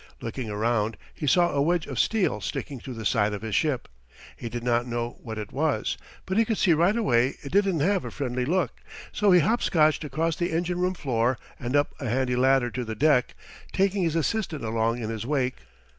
Looking around, he saw a wedge of steel sticking through the side of his ship. He did not know what it was, but he could see right away it didn't have a friendly look; so he hopscotched across the engine room floor and up a handy ladder to the deck, taking his assistant along in his wake.